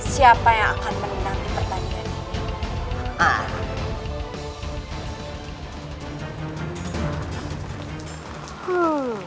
siapa yang akan menang di pertandingan ini